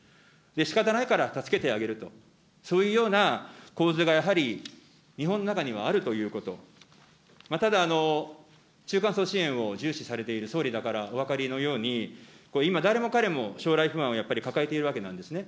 しかたないから助けてあげると、そういうような構図がやはり、日本の中にはあるということ、ただ、中間層支援を重視されている総理だからお分かりのように、今、誰もかれも将来不安をやっぱり抱えているわけなんですね。